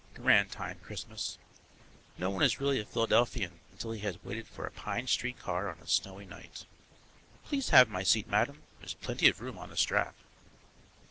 Grand time, Christmas! No one is really a Philadelphian until he has waited for a Pine Street car on a snowy night. Please have my seat, madam, there's plenty of room on the strap.